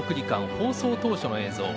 放送当初の映像。